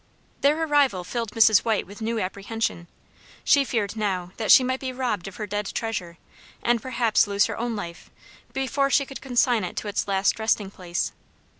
Their arrival filled Mrs. White with new apprehension. She feared now that she might be robbed of her dead treasure, and perhaps lose her own life, before she could consign it to its last resting place.